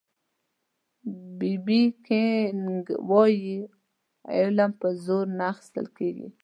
بي بي کېنګ وایي علم په زور نه اخيستل کېږي